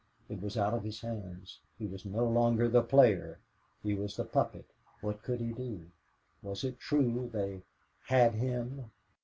It was out of his hands. He was no longer the player he was the puppet. What could he do? Was it true they "had" him?